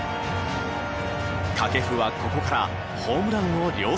掛布はここからホームランを量産。